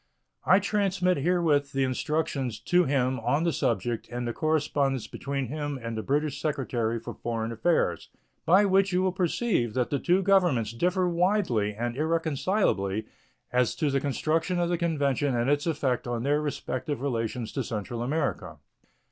I transmit herewith the instructions to him on the subject and the correspondence between him and the British secretary for foreign affairs, by which you will perceive that the two Governments differ widely and irreconcilably as to the construction of the convention and its effect on their respective relations to Central America.